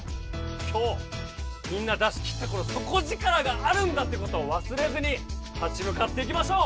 きょうみんな出しきったこのそこぢからがあるんだってことをわすれずに立ちむかっていきましょう。